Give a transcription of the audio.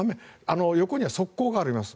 横には側溝があります。